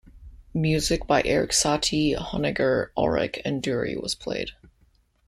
Music by Erik Satie, Honegger, Auric and Durey was played.